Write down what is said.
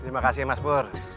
terima kasih mas pur